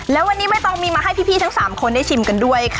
แล้ววันนี้ไม่ต้องมีมาให้พี่ทั้ง๓คนได้ชิมกันด้วยค่ะ